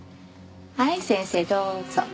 はい先生どうぞ。